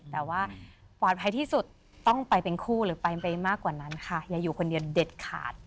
แต่ว่าปลอดภัยที่สุดต้องไปเป็นคู่หรือไปมากกว่านั้นค่ะอย่าอยู่คนเดียวเด็ดขาด